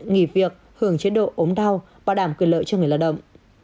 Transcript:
nghỉ việc hưởng chế độ ốm đau bảo đảm quyền lợi cho người lao động